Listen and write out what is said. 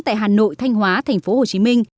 tại hà nội thanh hóa tp hcm